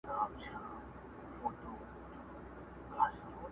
زه به د غم تخم کرم ژوندی به یمه،